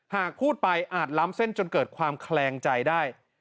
หากพูดไปอาจล้ำเส้นจนเกิดความแคลงใจได้